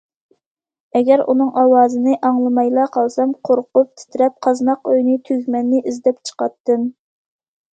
ئەگەر ئۇنىڭ ئاۋازىنى ئاڭلىمايلا قالسام، قورقۇپ، تىترەپ قازناق ئۆينى، تۈگمەننى ئىزدەپ چىقاتتىم.